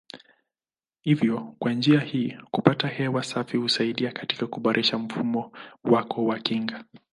Hivyo kwa njia hii kupata hewa safi husaidia katika kuboresha mfumo wako wa kinga.